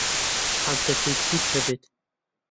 حەز دەکەیت چیت هەبێت؟